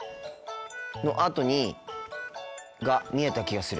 のあとにが見えた気がする。